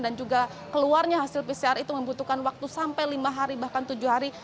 dan juga keluarnya hasil pcr itu membutuhkan waktu sampai lima hari bahkan tujuh hari